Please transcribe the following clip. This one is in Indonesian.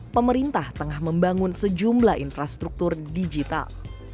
pemerintah tengah membangun sejumlah infrastruktur digital